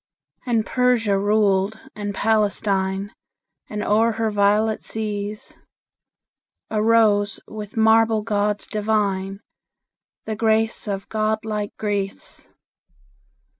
And Persia ruled and Palestine; And o'er her violet seas Arose, with marble gods divine, The grace of god like Greece.